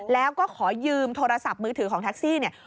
แล้วก็ขอยืมโทรศัพท์มือถือของแท็กซี่เนี่ย